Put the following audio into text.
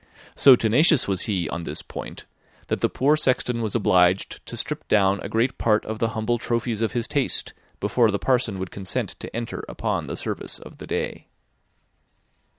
So tenacious was he on this point, that the poor sexton was obliged to strip down a great part of the humble trophies of his taste, before the parson would consent to enter upon the service of the day.